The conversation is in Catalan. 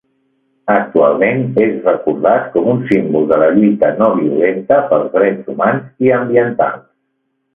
Actualment és recordat com un símbol de la lluita no-violenta pels drets humans i ambientals.